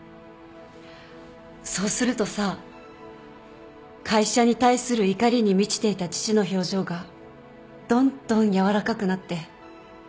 そうするとさ会社に対する怒りに満ちていた父の表情がどんどん柔らかくなって。